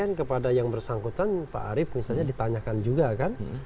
kemudian kepada yang bersangkutan pak arief misalnya ditanyakan juga kan